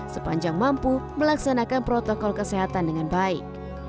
sepanjang mampu melaksanakan protokol kesehatan dengan baik